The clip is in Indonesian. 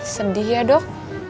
sedih ya dok